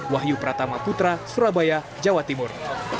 wahyu pratama putra surabaya jawa timur